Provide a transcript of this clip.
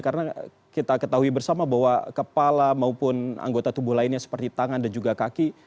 karena kita ketahui bersama bahwa kepala maupun anggota tubuh lainnya seperti tangan dan juga kaki